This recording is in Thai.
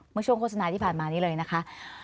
เมื่อช่วงโฆษณาที่ผ่านมานี้เลยนะคะ